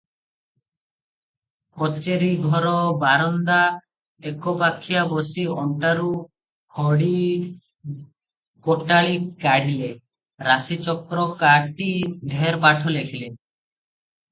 କଚେରିଘର ବାରନ୍ଦା ଏକପାଖିଆ ବସି ଅଣ୍ଟାରୁ ଖଡ଼ି ଗୋଟାଳିଟି କାଢିଲେ, ରାଶିଚକ୍ର କାଟି ଢେର ପାଠ ଲେଖିଲେ ।